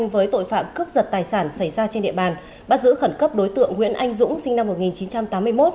với tội phạm cướp giật tài sản xảy ra trên địa bàn bắt giữ khẩn cấp đối tượng nguyễn anh dũng sinh năm một nghìn chín trăm tám mươi một